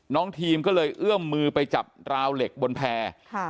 น้องทีมก็เลยเอื้อมมือไปจับราวเหล็กบนแพร่